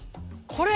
これ？